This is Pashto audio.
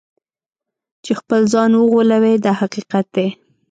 چې خپل ځان وغولوي دا حقیقت دی.